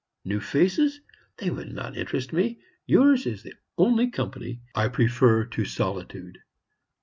New faces? They would not interest me yours is the only company I prefer to solitude.